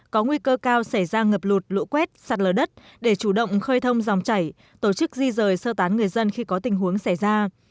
có nguy cơ cao xảy ra ngập lụt lũ quét sạt lở đất để chủ động khơi thông dòng chảy tổ chức di rời sơ tán người dân khi có tình huống xảy ra